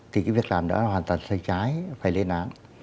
thì cái việc làm đó là hoàn toàn sai trái phải lên án